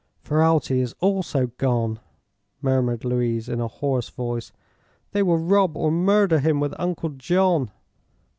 "Ferralti is also gone," murmured Louise, in a hoarse voice. "They will rob or murder him with Uncle John!"